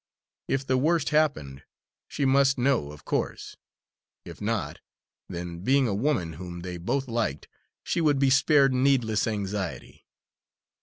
If the worst happened, she must know, of course; if not, then, being a woman whom they both liked she would be spared needless anxiety.